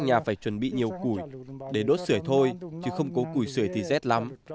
nhà phải chuẩn bị nhiều củi để đốt sửa thôi chứ không có củi sửa thì rét lắm